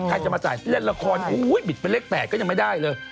ใครจะมาซ่ายเพลงเล่นละครโอ้ยบิดเป็นเลขแสดก็ยังไม่ได้เลย